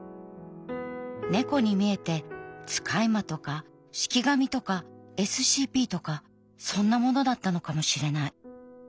猫に見えて使い魔とか式神とかＳＣＰとかそんなものだったのかもしれない。